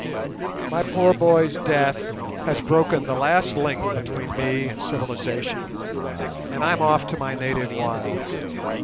My poor boy's death has broken the last link between me and civilization, and I'm off to my native wilds.